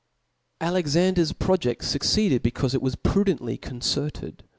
Akxander*s projeft fucceeded becaufe it was pru dently concerted.